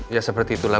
ya seperti itulah